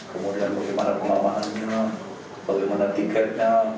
kemudian bagaimana kelamaannya bagaimana tiketnya